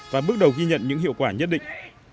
và bước đầu ghi nhận những hiệu quả nhất định